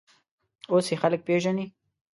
اوس یې خلک پېژني.